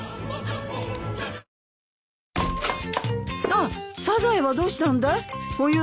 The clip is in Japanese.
あっサザエはどうしたんだい？